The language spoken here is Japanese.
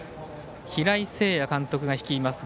平井誠也監督が率います。